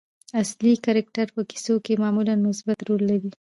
اصلي کرکټر په کیسو کښي معمولآ مثبت رول لري.